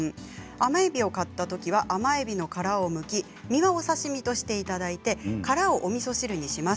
甘えびを買ったときは甘えびの殻をむき身はお刺身としていただいてからおみそ汁にします。